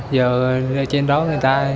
giờ trên đó người ta